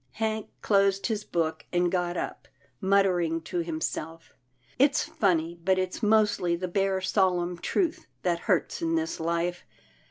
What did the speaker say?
Hank closed his book, and got up, muttering to himself, " It's funny, but it's mostly the bare solemn truth that hurts in this life.